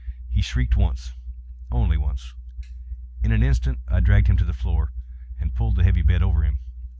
He shrieked once—once only. In an instant I dragged him to the floor, and pulled the heavy bed over him.